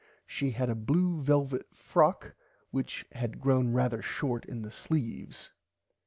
She had a blue velvit frock which had grown rarther short in the sleeves.